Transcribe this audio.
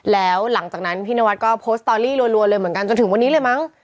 แล้วหลังจากนั้นพี่นวัดก็โพสต์สตอรี่รัวเลยเหมือนกันจนถึงวันนี้เลยมั้ง